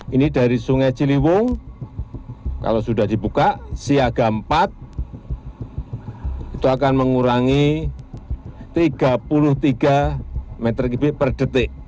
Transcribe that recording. ini dari sungai ciliwung kalau sudah dibuka siaga empat itu akan mengurangi tiga puluh tiga meter kubik per detik